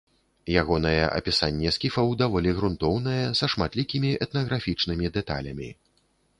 Ягонае апісанне скіфаў даволі грунтоўнае, са шматлікімі этнаграфічнымі дэталямі.